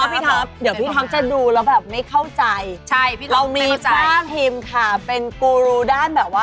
ไม่แกกกว่ามา่อ่ะโอ้โหไม่มีใครแกกกว่ามา่แล้วล่ะค่ะ